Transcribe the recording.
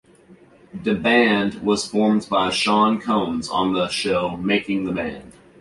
Da Band was formed by Sean Combs on the show Making the Band.